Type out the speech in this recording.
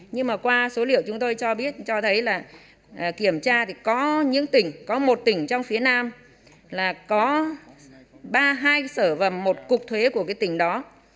nhưng mà qua số liệu chúng tôi cho biết cho thấy là kiểm tra thì có những tỉnh có một tỉnh trong phía nam là có ba hai sở và một cục thuế của cái tỉnh đó